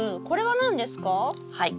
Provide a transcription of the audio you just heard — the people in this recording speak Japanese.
はい。